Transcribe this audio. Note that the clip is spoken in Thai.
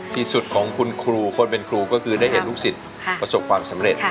ที่สุดของคุณครูคนเป็นครูก็คือได้เห็นลูกศิษย์ประสบความสำเร็จ